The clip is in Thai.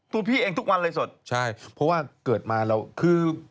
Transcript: พี่เองทุกวันเลยสดใช่เพราะว่าเกิดมาเราคือ